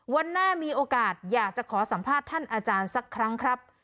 วันหน้ามีโอกาสอยากจะขอสัมภาษณ์ท่านอาจารย์สักครั้งครับ